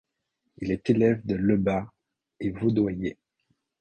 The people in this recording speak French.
Il est l'élève de Lebas et Vaudoyer.